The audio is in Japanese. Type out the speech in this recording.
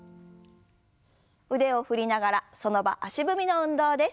腕を振りながらその場足踏みの運動です。